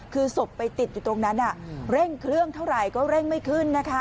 คือศพไปติดอยู่ตรงนั้นเร่งเครื่องเท่าไหร่ก็เร่งไม่ขึ้นนะคะ